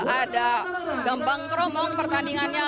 ada gembang kromong pertandingannya